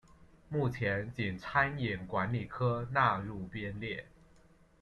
目前仅餐饮管理科纳入编列。